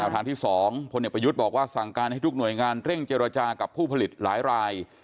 ทางที่๒พลเอกประยุทธ์บอกว่าสั่งการให้ทุกหน่วยงานเร่งเจรจากับผู้ผลิตหลายราย